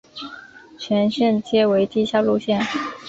全线皆为地下路线。